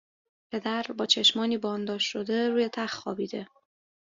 پدر با چشمانی بانداژ شده روی تخت خوابیده